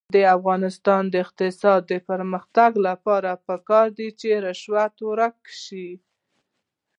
د افغانستان د اقتصادي پرمختګ لپاره پکار ده چې رشوت ورک شي.